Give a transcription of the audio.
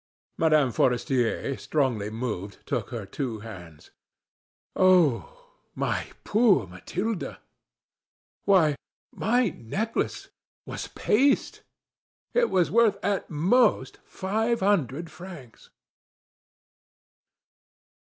Mme. Forestier, strongly moved, took her two hands. "Oh, my poor Mathilde! Why, my necklace was paste. It was worth at most five hundred francs!"